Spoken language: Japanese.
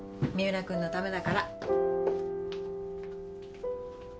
三浦君のためだから。